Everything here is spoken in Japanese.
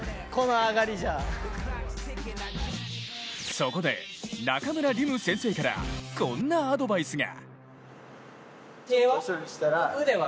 そこで、中村輪夢先生からこんなアドバイスが。